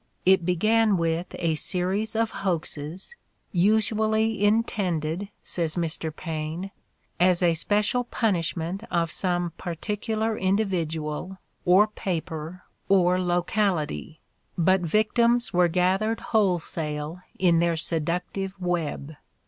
It began with a series of hoaxes, "usually intended," says Mr. Paine, "as a special punishment of some particular individual or paper or locality; but victims were gathered whole sale in their seductive web.